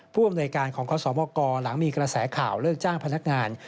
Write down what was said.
ผู้อำนวยการของคศมกหลังมีกระแสข่าวเลิกจ้างพนักงาน